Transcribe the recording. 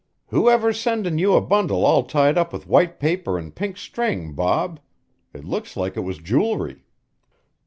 "Whoever's sendin' you a bundle all tied up with white paper an' pink string, Bob? It looks like it was jewelry."